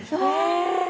え！